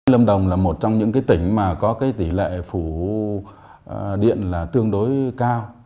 lâm đồng là một trong những tỉnh có tỷ lệ phủ điện tương đối cao